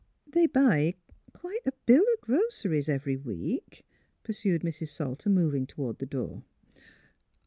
" They buy quite a bill o' groceries every week," pursued Mrs. Salter, moving toward the door.